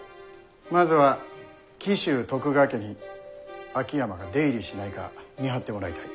まずは紀州徳川家に秋山が出入りしないか見張ってもらいたい。